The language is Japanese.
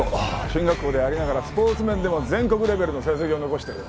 進学校でありながらスポーツ面でも全国レベルの成績を残してる。